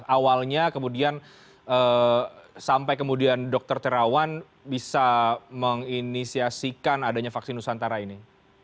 awalnya kemudian sampai kemudian dokter terawan bisa menginisiasikan adanya vaksin nusantara ini